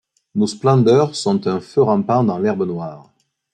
Nos splendeurs sont un-feu rampant dans l’herbe noire ;